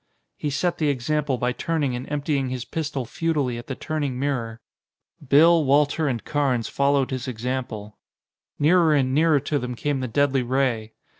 He set the example by turning and emptying his pistol futilely at the turning mirror. Bill, Walter and Carnes followed his example. Nearer and nearer to them came the deadly ray.